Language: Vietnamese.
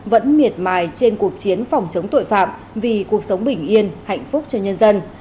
vẫn miệt mài trên cuộc chiến phòng chống tội phạm vì cuộc sống bình yên hạnh phúc cho nhân dân